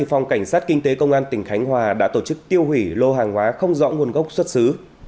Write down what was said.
phòng cảnh sát kinh tế công an tỉnh khánh hòa đã tổ chức tiêu hủy lô hàng hóa không rõ nguồn gốc xuất xứ